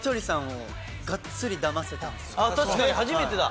確かに初めてだ。